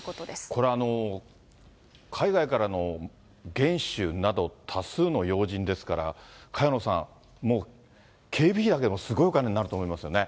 これ、海外からの元首など、多数の要人ですから、萱野さん、もう警備費だけでもすごいお金になると思いますよね。